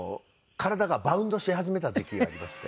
体がバウンドし始めた時期がありまして。